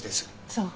そう。